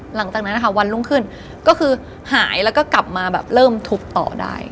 หลังจากนั้นนะคะวันรุ่งขึ้นก็คือหายแล้วก็กลับมาแบบเริ่มทุบต่อได้